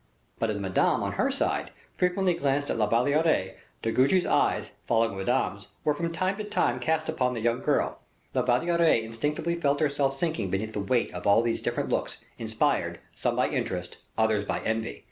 But as Madame, on her side, frequently glanced at La Valliere, De Guiche's eyes, following Madame's, were from time to time cast upon the young girl. La Valliere instinctively felt herself sinking beneath the weight of all these different looks, inspired, some by interest, others by envy.